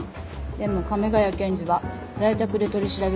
でも亀ヶ谷検事は在宅で取り調べを続けるそうです。